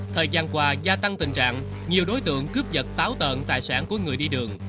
thời gian qua gia tăng tình trạng nhiều đối tượng cướp giật táo tợn tài sản của người đi đường